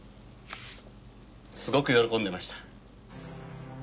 すごく喜んでました。